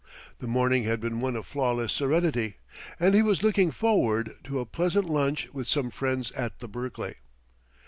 The morning had been one of flawless serenity, and he was looking forward to a pleasant lunch with some friends at the Berkeley.